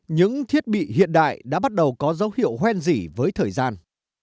những thiết bị hiện đại đã bắt đầu có dấu hiệu hoen dỉ với thời gian